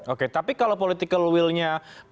oke tapi kalau political will nya presiden itu seperti apa